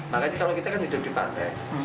makanya kalau kita kan hidup di partai